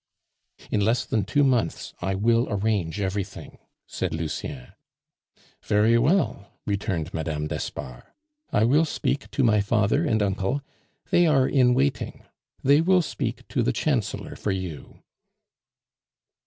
"In less than two months I will arrange everything," said Lucien. "Very well," returned Mme. d'Espard. "I will speak to my father and uncle; they are in waiting, they will speak to the Chancellor for you."